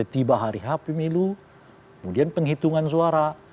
tiba hari hp milu kemudian penghitungan suara